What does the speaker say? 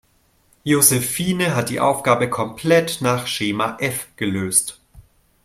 Josephine hat die Aufgabe komplett nach Schema F gelöst.